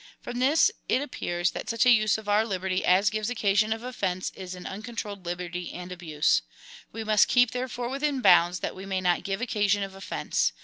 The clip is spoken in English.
From this it appears, that such a use of our liberty as gives occasion of offence, is an uncontrolled liberty and abuse. We must keep, therefore, within bounds, that we may not give occasion of offence.